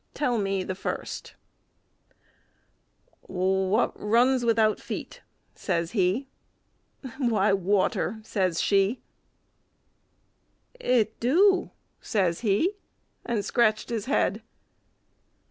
Tell me the first" "What runs without feet?" says he. "Why, water!" says she. "It do," says he, and scratched his head.